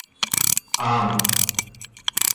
ആം